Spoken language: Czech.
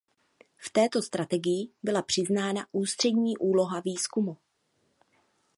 V této strategii byla přiznána ústřední úloha výzkumu.